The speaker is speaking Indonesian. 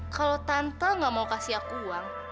kalau tante nggak mau kasih aku uang